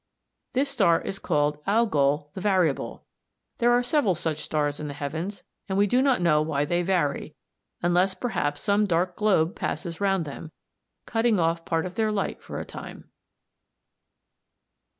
This star is called Algol the Variable. There are several such stars in the heavens, and we do not know why they vary, unless perhaps some dark globe passes round them, cutting off part of their light for a time.